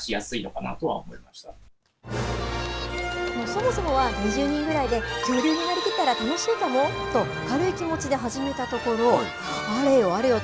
そもそもは、２０人ぐらいで恐竜になりきったら楽しいかもと、軽い気持ちで始めたところ、あれよ